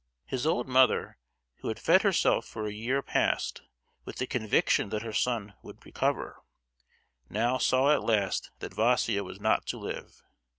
His old mother who had fed herself for a year past with the conviction that her son would recover, now saw at last that Vaísia was not to live.